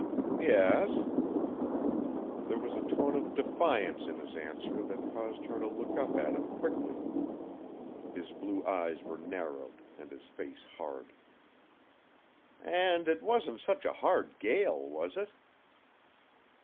"Yes." There was a tone of defiance in his answer that caused her to look up at him quickly. His blue eyes were narrowed and his face hard. "And it wasn't such a hard gale, was it?"